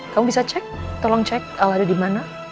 kamu bisa cek tolong cek al ada dimana